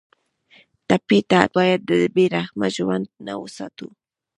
ټپي ته باید د بې رحمه ژوند نه وساتو.